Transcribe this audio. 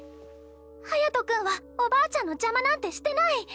隼君はおばあちゃんの邪魔なんてしてない！